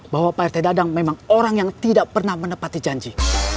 bahwa partai dadang memang orang yang tidak pernah menepati janji